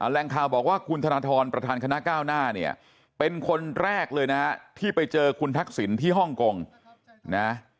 แรงข่าวบอกว่าคุณธนทรประธานคณะก้าวหน้าเนี่ยเป็นคนแรกเลยนะฮะที่ไปเจอคุณทักษิณที่ฮ่องกงนะ